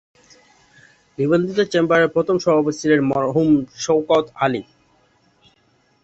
নিবন্ধিত চেম্বার এর প্রথম সভাপতি ছিলেন মরহুম শওকত আলী।